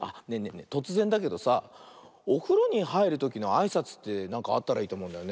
えとつぜんだけどさおふろにはいるときのあいさつってなんかあったらいいとおもうんだよね。